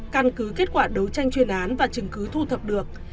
căn cứ kết quả đấu tranh chuyên án và chứng cứ thu thập được